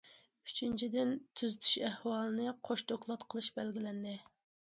ئۈچىنچىدىن، تۈزىتىش ئەھۋالىنى‹‹ قوش دوكلات قىلىش›› بەلگىلەندى.